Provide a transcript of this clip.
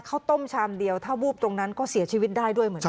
ข้าวต้มชามเดียวถ้าวูบตรงนั้นก็เสียชีวิตได้ด้วยเหมือนกัน